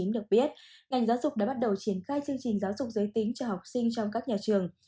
được biết ngành giáo dục đã bắt đầu triển khai chương trình giáo dục giới tính cho học sinh trong các nhà trường